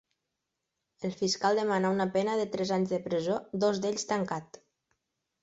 El fiscal demana una pena de tres anys de presó, dos d'ells tancat.